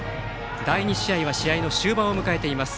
第２試合は試合の終盤を迎えています。